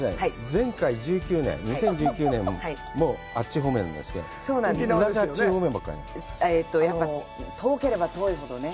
前回１９年、２０１９年もあっち方面ですね。